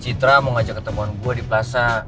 citra mau ngajak ketemuan gue di plaza